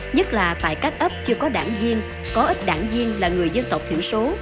nhất là tại các ấp chưa có đảng viên có ít đảng viên là người dân tộc thiểu số